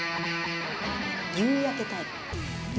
夕焼けタイプ。